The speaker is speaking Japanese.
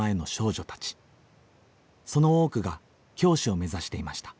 その多くが教師を目指していました。